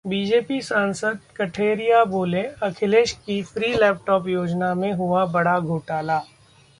BJP सांसद कठेरिया बोले- अखिलेश की फ्री लैपटॉप योजना में हुआ बड़ा घोटाला